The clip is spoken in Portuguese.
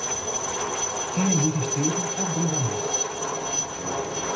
Quem é muito estreito, a bunda mostra.